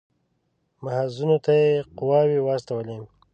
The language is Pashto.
محاذونو ته یې قواوې واستولې.